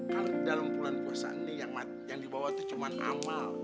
kalau di dalam pulau puasa ini yang dibawa tuh cuman amal